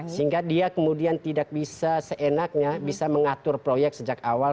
sehingga dia kemudian tidak bisa seenaknya bisa mengatur proyek sejak awal